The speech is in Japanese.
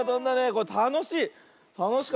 これたのしい。